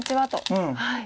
うん。